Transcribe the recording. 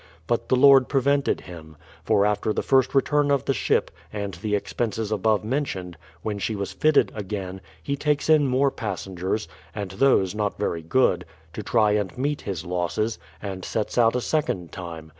But the Lord prevented him; for after the first return of the ship, and the expenses above mentioned, when she was fitted again, he takes in more passengers, and those not very good, to try and meet his losses, and sets out a second time.